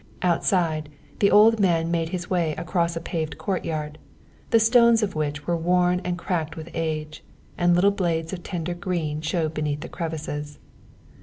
Outside, the old man made his way across a paved court yard, the stones of which were worn and cracked with age, and little blades of tender green showed between the crevices.